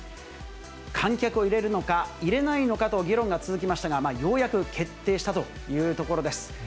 観客を入れるのか、入れないのかと議論が続きましたが、ようやく決定したというところです。